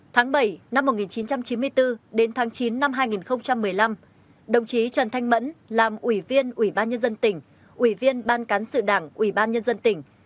tháng bảy năm một nghìn chín trăm chín mươi bốn đến tháng chín năm hai nghìn một mươi năm đồng chí trần thanh mẫn làm ủy viên ủy ban nhân dân tỉnh ủy viên ban cán sự đảng ủy ban nhân dân tỉnh